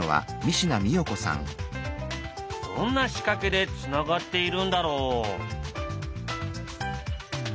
どんな仕掛けでつながっているんだろう？